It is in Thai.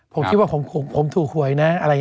ผมคิดว่าผมถูกหวยนะ